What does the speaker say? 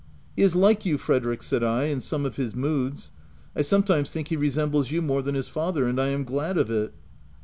"He is like you, Frederick/' said I, " in some of his moods : I sometimes think he re sembles you more than his father; and I am glad of it."